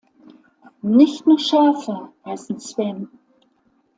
Nicht nur Schafe heißen Sven.